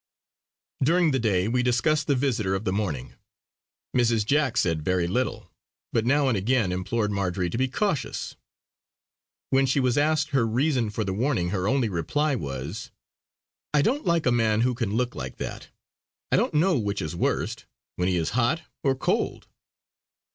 During the day, we discussed the visitor of the morning. Mrs. Jack said very little, but now and again implored Marjory to be cautious; when she was asked her reason for the warning her only reply was: "I don't like a man who can look like that. I don't know which is worst, when he is hot or cold!"